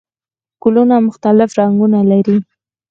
ګلونه مختلف رنګونه لري